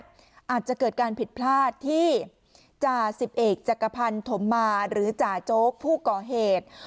อาจจะเกิดการผิดพลาดที่จ่าสิบเอกจักรพันธมมาหรือจ่าโจ๊กผู้ก่อเหตุ